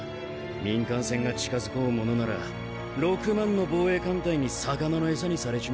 民間船が近づこうものなら６万の防衛艦隊に魚の餌にされちまうぜ。